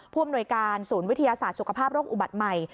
ผู้อำนวยการศูนย์วิทยาศาสตร์สุขภาพโรคอุบัติใหม่